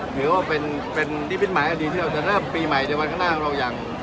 ถือว่าเป็นนิพิธรรมนี้ที่เราจะเริ่มปีใหม่ในวันข้างหน้าของเรา